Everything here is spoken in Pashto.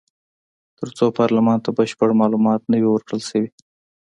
تر څو پارلمان ته بشپړ معلومات نه وي ورکړل شوي.